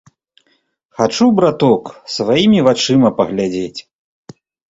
Хачу, браток, сваімі вачыма паглядзець.